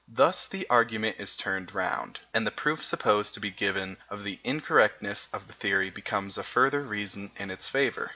Thus the argument is turned round, and the proof supposed to be given of the incorrectness of the theory becomes a further reason in its favour.